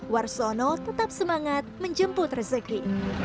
warsono tetap semangat menjemput rezeki